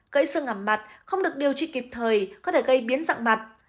gãy xương hàm mặt không được điều trị kịp thời có thể gây biến dặn mặt